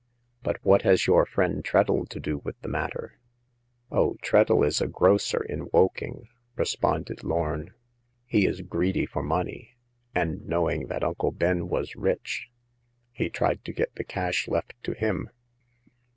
But what has your friend Treadle to do with the matter ?''Oh, Treadle is a grocer in Woking," re sponded Lorn. '* He is greedy for money, and knowing that Uncle Ben was rich, he tried to get the cash left to him.